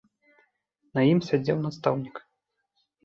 На ім сядзеў настаўнік.